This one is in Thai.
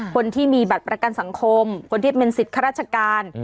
คนที่มีบัตรประกันสังคมคนที่เป็นสิทธิ์ข้าราชการ